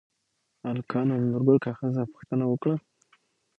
هلکانو له نورګل کاکا څخه پوښتنه وکړه؟